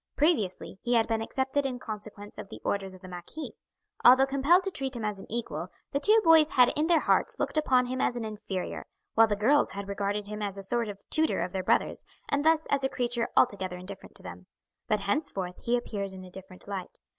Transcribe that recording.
Previously he had been accepted in consequence of the orders of the marquis. Although compelled to treat him as an equal the two boys had in their hearts looked upon him as an inferior, while the girls had regarded him as a sort of tutor of their brothers, and thus as a creature altogether indifferent to them. But henceforth he appeared in a different light.